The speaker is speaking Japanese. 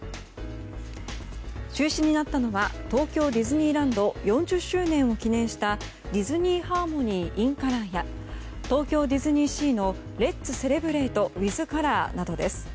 中止になったのは東京ディズニーランド４０周年を記念したディズニー・ハーモニー・イン・カラーや東京ディズニーシーのレッツ・セレブレイト・ウィズ・カラーなどです。